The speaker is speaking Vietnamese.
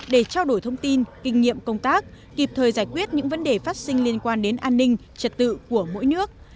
để trao đổi thông tin kinh nghiệm công tác kịp thời giải quyết những vấn đề phát sinh liên quan đến an ninh trật tự của mỗi nước